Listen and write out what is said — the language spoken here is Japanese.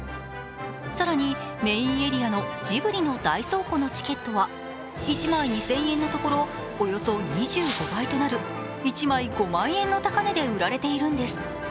更に、メインエリアのジブリの大倉庫のチケットは、１枚２０００円のところ、およそ２５倍となる１枚５万円の高値で売られているんです。